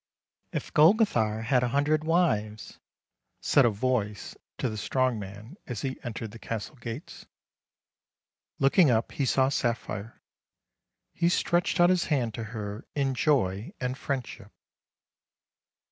" If Golgothar had a hundred wives —" said a voice to the strong man as he entered the castle gates. Looking up he saw Sapphire. He stretched out his hand to her in joy and friendship.